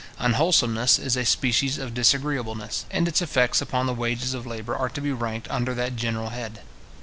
Unwholesomeness is a species of disagreeableness, and its effects upon the wages of labour are to be ranked under that general head.